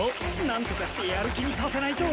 何とかしてやる気にさせないと。